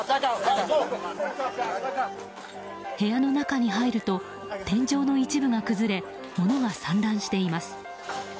部屋の中に入ると天井の一部が崩れ物が散乱しています。